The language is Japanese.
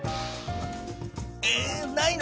ええないの？